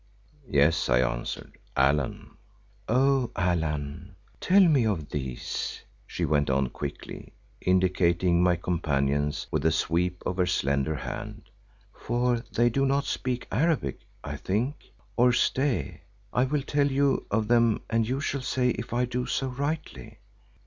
"Yes," I answered. "Allan." "—O—Allan. Tell me of these," she went on quickly, indicating my companions with a sweep of her slender hand, "for they do not speak Arabic, I think. Or stay, I will tell you of them and you shall say if I do so rightly.